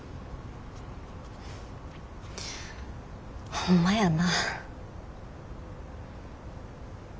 ホンマやな。